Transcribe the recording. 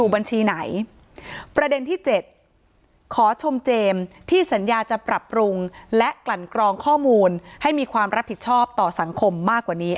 บัญชีไหนประเด็นที่๗ขอชมเจมส์ที่สัญญาจะปรับปรุงและกลั่นกรองข้อมูลให้มีความรับผิดชอบต่อสังคมมากกว่านี้